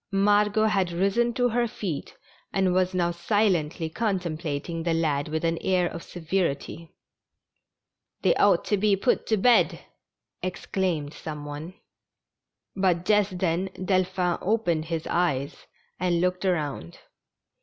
Margot had risen to her feet, and was now silently contemplating the lad with an air of severity. 214 THE STRANGE CATCH. " They ought to be put to bed I " exclaimed some one. Bat just then Delphin opened his eyes, and looked around.